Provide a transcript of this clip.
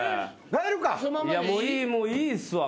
いやもういいもういいっすわ。